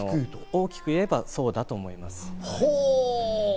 大きく言えばそうだと思います。